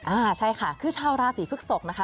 อ่าใช่ค่ะคือชาวราศีพฤกษกนะคะ